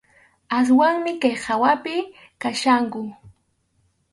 Aswanmi kay hawapi kachkanku.